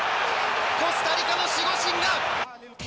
コスタリカの守護神が。